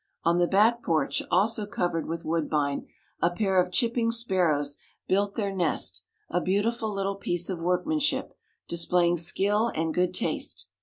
On the back porch, also covered with woodbine, a pair of chipping sparrows built their nest, a beautiful little piece of workmanship, displaying skill and good taste.